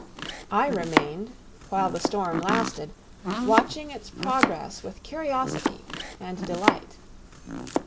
I remained, while the storm lasted, watching its progress with curiosity and delight.